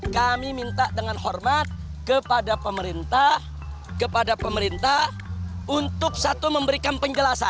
kami minta dengan hormat kepada pemerintah kepada pemerintah untuk satu memberikan penjelasan